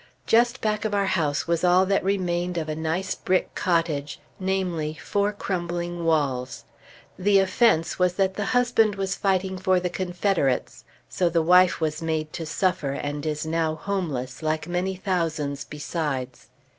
Just back of our house was all that remained of a nice brick cottage namely, four crumbling walls. The offense was that the husband was fighting for the Confederates; so the wife was made to suffer, and is now homeless, like many thousands besides.